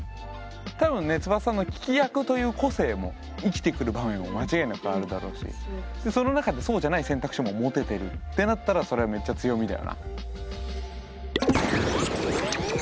多分ねつばささんの聞き役という個性も生きてくる場面も間違いなくあるだろうしその中でそうじゃない選択肢も持ててるってなったらそれはめっちゃ強みだよな。